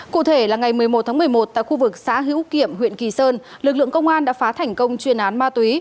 cụ thể là ngày một mươi một tháng một mươi một tại khu vực xã hữu kiệm huyện kỳ sơn lực lượng công an đã phá thành công chuyên án ma túy